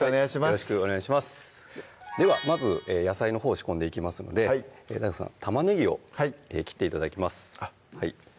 よろしくお願いしますではまず野菜のほうを仕込んでいきますのでＤＡＩＧＯさん玉ねぎを切って頂きます